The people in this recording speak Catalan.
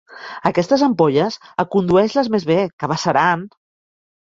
Aquestes ampolles, acondueix-les més bé, que vessaran.